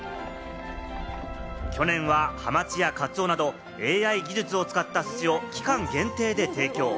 去年ははまちやカツオなど、ＡＩ技術を使った魚を期間限定で提供。